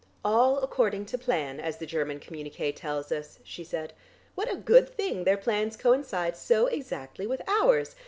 "'All according to plan,' as the German communiqué tells us," she said. "What a good thing their plans coincide so exactly with ours!